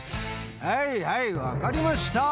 はいはい分かりました！